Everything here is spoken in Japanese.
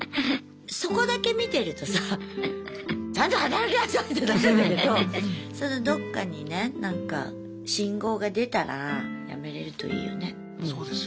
そこだけ見てるとさちゃんと働きなさい！ってなるんだけどそのどっかにねなんか信号が出たら辞めれるといいよね。